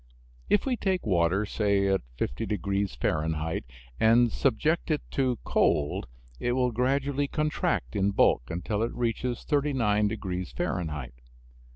If we take water, say, at 50 degrees Fahrenheit and subject it to cold it will gradually contract in bulk until it reaches 39 degrees Fahrenheit.